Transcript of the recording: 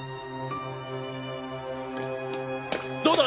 どうだ？